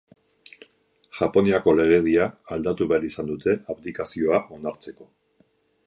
Japoniako legedia aldatu behar izan dute abdikazioa onartzeko.